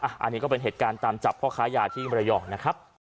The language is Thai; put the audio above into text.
อันนี้ก็เป็นเหตุการณ์ตามจับพ่อค้ายาที่มรยองนะครับ